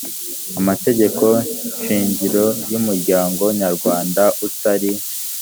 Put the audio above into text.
amategeko shingiro y umuryango nyarwanda utari